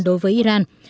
đối với iran